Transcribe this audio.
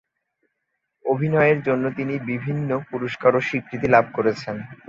অভিনয়ের জন্য তিনি বিভিন্ন পুরস্কার ও স্বীকৃতি লাভ করেছেন।